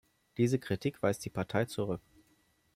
Diese Kritik weist die Partei zurück.